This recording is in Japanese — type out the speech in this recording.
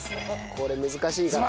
これ難しいからな。